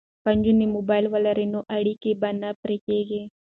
که نجونې موبایل ولري نو اړیکه به نه پرې کیږي.